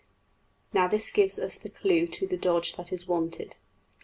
Now this gives us the clue to the dodge that is wanted.